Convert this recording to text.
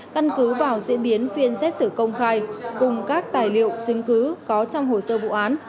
căn cứ vào diễn biến phiên xét xử công khai cùng các tài liệu chứng cứ có trong hồ sơ vụ án